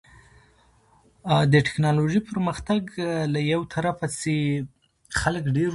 ټپې، سندرې، غزل په پښتنو کې ډير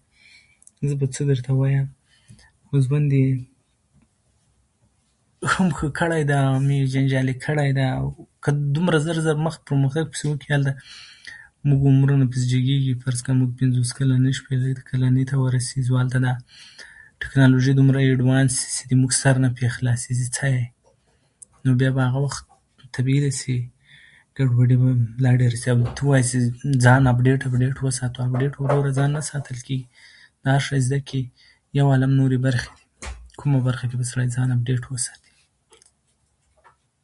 مينوال لري